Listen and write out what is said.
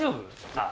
ああ